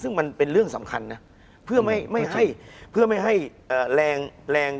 คุณผู้ชมบางท่าอาจจะไม่เข้าใจที่พิเตียร์สาร